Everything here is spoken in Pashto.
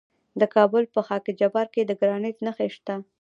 د کابل په خاک جبار کې د ګرانیټ نښې شته.